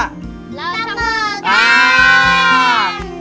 เราเต้นกัน